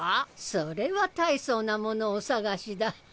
それは大層な物をお探しだ。